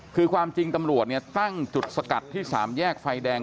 คือความจริงตำรวจเนี่ยตั้งจุดสกัดที่๓แยกไฟแดง